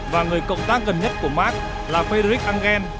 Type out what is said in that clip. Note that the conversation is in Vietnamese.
và người cộng tác gần nhất của mark là fedrich engel